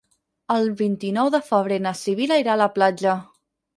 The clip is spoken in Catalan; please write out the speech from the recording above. El vint-i-nou de febrer na Sibil·la irà a la platja.